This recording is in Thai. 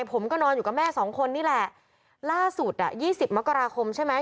ผมก็นอนอยู่กับแม่สองคนนี่แหละล่าสุดอ่ะยี่สิบมกราคมใช่ไหม